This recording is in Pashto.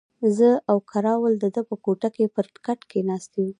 زه او کراول د ده په کوټه کې پر کټ کښېناستو.